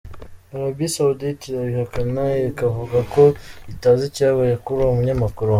Arabie Saoudite irabikana, ikavuga ko itazi icyabaye kuri uwo munyamakuru.